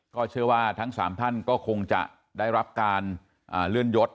เชื่อว่าทั้ง๓ท่านก็คงจะได้รับการเลื่อนยศ